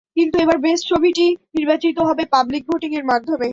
কিন্তু, এবার বেস্ট ছবিটি নির্বাচিত হবে পাবলিক ভোটিং এর মাধ্যমে।